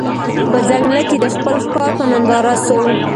په ځنګله کي د خپل ښکار په ننداره سو